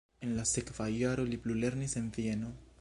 En la sekva jaro li plulernis en Vieno.